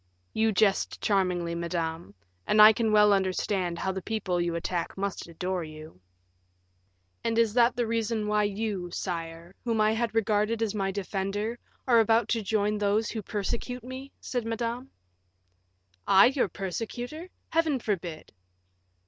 "You jest charmingly, madame; and I can well understand how the people you attack must adore you." "And is that the reason why you, sire, whom I had regarded as my defender, are about to join these who persecute me?" said Madame. "I your persecutor! Heaven forbid!"